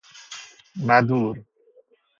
مدور